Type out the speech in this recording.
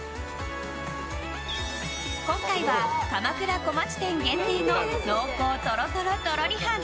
今回は鎌倉小町店限定の濃厚とろとろとろりはん